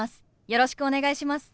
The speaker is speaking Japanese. よろしくお願いします。